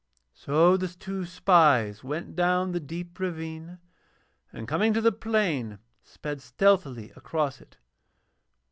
So the two spies went down the deep ravine, and coming to the plain sped stealthily across it.